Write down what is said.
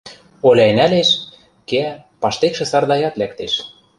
Оляй нӓлеш, кеӓ, паштекшӹ Сардаят лӓктеш.